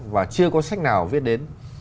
và chưa có sách nào viết đến